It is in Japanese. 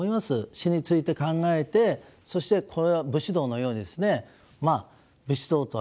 死について考えてそしてこれは武士道のようにですね